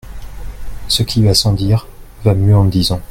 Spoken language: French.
Ce qui va sans dire va mieux en le disant.